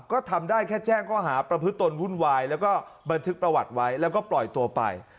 ก็ทำได้แค่แจ้งข้อหาประพฤตนวุ่นวายแล้วก็บันทึกประวัติไว้แล้วก็ปล่อยตัวไป